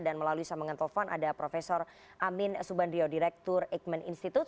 dan melalui samengantel phone ada prof amin subandrio direktur eijkman institute